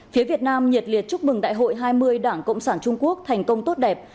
phía việt nam nhiệt liệt chúc mừng đại hội hai mươi đảng cộng sản trung quốc thành công tốt đẹp